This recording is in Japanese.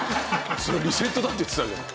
それリセットだって言ってたじゃん。